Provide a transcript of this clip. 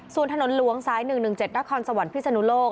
ส่วนถนนหลวงซ้าย๑๑๗นครสวรรค์พิศนุโลก